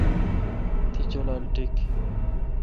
تی جولال ٹیک۔